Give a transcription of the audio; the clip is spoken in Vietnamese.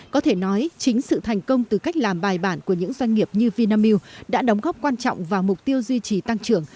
có thể nói chính sự thành công từ cách làm bài bản của những doanh nghiệp như vinamilk đã đóng góp quan trọng vào mục tiêu duy trì tăng trưởng